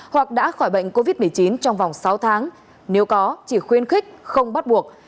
hoặc đã khỏi bệnh covid một mươi chín trong vòng sáu tháng nếu có chỉ khuyên khích không bắt buộc